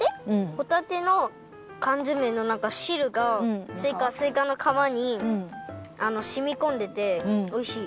ホタテのかんづめのなんかしるがすいかの皮にしみこんでておいしい。